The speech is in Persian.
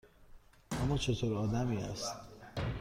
اِما چطور آدمی است؟